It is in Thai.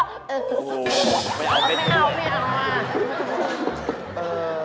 ไม่เอาไม่เอา